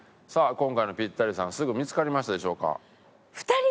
さあ今回のピッタリさんすぐ見つかりましたでしょうか？